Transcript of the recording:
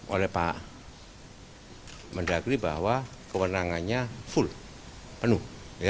oleh pak mendagri bahwa kewenangannya full penuh